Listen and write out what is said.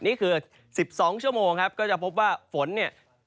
นี่คือ๑๒ชั่วโมงก็จะพบว่าฝนนี่